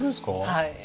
はい。